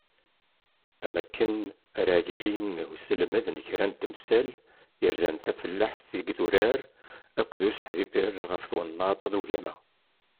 Am wakken ara n-yili uselmed n kra n temsal yerzan tafellaḥt deg yidurar akked useḥbiber ɣef twennaḍt d ugama.